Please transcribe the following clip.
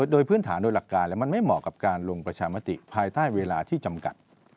โดยพื้นฐานโดยหลักการมันไม่เหมาะกับการลงประชามติภายใต้เวลาที่จำกัด